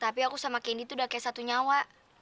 tapi aku sama candy tuh udah kayak satu nyawa